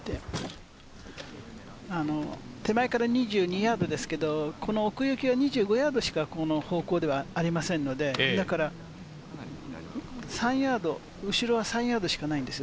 手前から２２ヤードですけれど、奥行きが２５ヤードしかこの方向ではありませんので、だから３ヤード、後ろは３ヤードしかないんです。